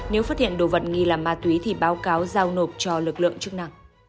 nếu phát hiện đồ vật nghi là ma túy thì báo cáo giao nộp cho lực lượng chức năng